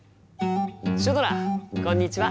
シュドラこんにちは！